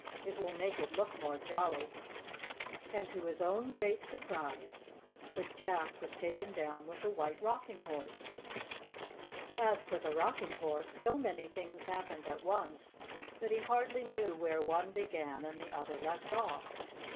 It will make it look more jolly." And to his own great surprise the Jack was taken down with the White Rocking Horse. As for the Rocking Horse, so many things happened at once that he hardly knew where one began and the other left off.